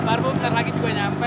baru baru nanti juga nyampe